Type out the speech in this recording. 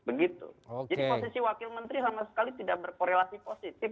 jadi posisi wakil menteri sama sekali tidak berkorelasi positif